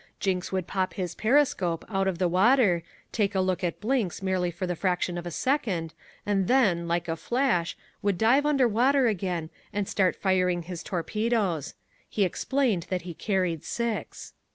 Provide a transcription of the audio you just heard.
Jinks would pop his periscope out of the water, take a look at Blinks merely for the fraction of a second, and then, like a flash, would dive under water again and start firing his torpedoes. He explained that he carried six.